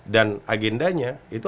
dan agendanya itu